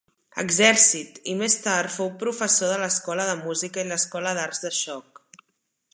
Exèrcit, i més tard fou professor de l'escola de música i l'Escola d'Arts de xoc.